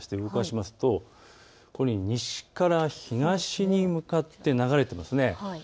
動かしますとここに、西から東に向かって流れていますね。